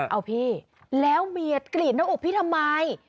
เอาพี่แล้วเมียกรีดหน้าอกพี่ทำไม